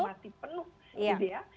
saya ke pak malik terlebih dahulu